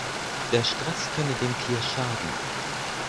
Der Stress könne dem Tier schaden.